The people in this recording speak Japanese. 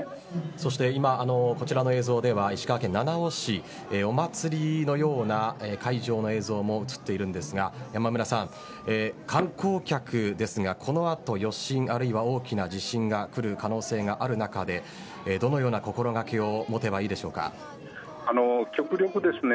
そして今こちらの映像では石川県七尾市お祭りのような会場の映像も映っているんですが山村さん、観光客ですがこの後、余震あるいは大きな地震がくる可能性がある中でどのような心掛けを極力ですね